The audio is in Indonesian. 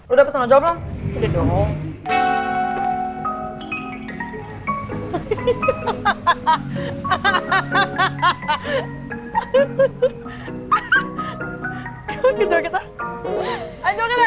udah pesan pesan aja udah dong